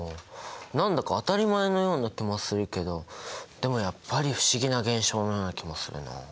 何だか当たり前のような気もするけどでもやっぱり不思議な現象のような気もするな。